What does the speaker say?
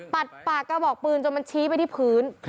ปากปากกระบอกปืนจนมันชี้ไปที่พื้น